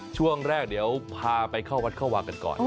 ช่วงแรกเดี๋ยวพาไปเข้าวัดเข้าวากันก่อน